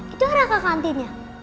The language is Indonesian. itu arah ke kantinnya